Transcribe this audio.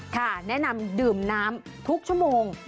แนะนำดื่มน้ำทุกชั่วโมง